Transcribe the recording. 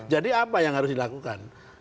jadi apa yang harus dilakukan